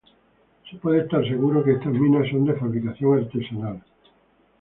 Se puede estar seguro que estas minas son de fabricación artesanal.